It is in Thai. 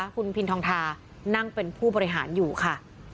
คุณพินทองทานั่งเป็นผู้บริหารอยู่ค่ะ